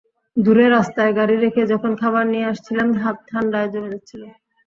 দূরে রাস্তায় গাড়ি রেখে যখন খাবার নিয়ে আসছিলাম, হাত ঠান্ডায় জমে যাচ্ছিল।